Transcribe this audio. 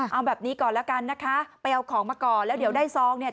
เอาแบบนี้ก่อนแล้วกันนะคะไปเอาของมาก่อนแล้วเดี๋ยวได้ซองเนี่ย